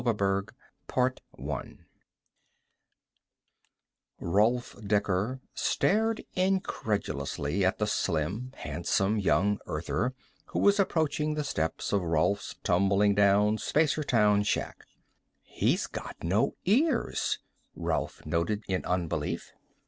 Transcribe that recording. _ Rolf Dekker stared incredulously at the slim, handsome young Earther who was approaching the steps of Rolf's tumbling down Spacertown shack. He's got no ears, Rolf noted in unbelief.